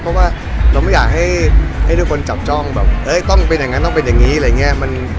เพราะว่าเราไม่อยากให้ทุกคนจับจ้องแบบต้องเป็นอย่างนั้นต้องเป็นอย่างนี้อะไรอย่างนี้